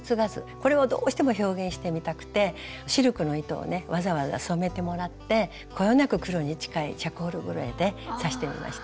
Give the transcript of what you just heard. これをどうしても表現してみたくてシルクの糸をねわざわざ染めてもらってこよなく黒に近いチャコールグレーで刺してみました。